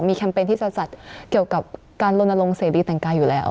มีแคมเปญที่จะจัดเกี่ยวกับการลนณรงค์เศรษฐกีตะงกายอยู่แล้ว